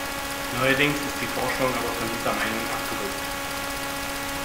Neuerdings ist die Forschung aber von dieser Meinung abgerückt.